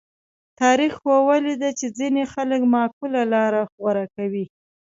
تاریخ ښوولې ده چې ځینې خلک معقوله لاره غوره کوي.